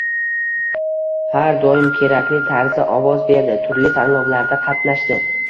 har doim kerakli tarzda ovoz berdi, turli tanlovlarda qatnashdi